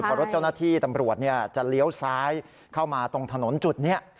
พอรถเจ้าหน้าที่ตำรวจจะเลี้ยวซ้ายเข้ามาตรงถนนจุดนี้